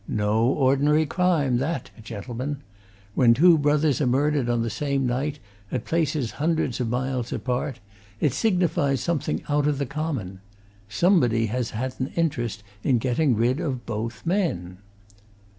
No ordinary crime, that, gentlemen! When two brothers are murdered on the same night, at places hundreds of miles apart, it signifies something out of the common. Somebody has had an interest in getting rid of both men!"